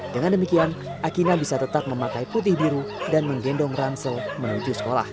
dengan demikian akina bisa tetap memakai putih biru dan menggendong ransel menuju sekolah